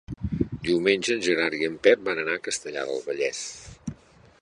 Diumenge en Gerard i en Pep van a Castellar del Vallès.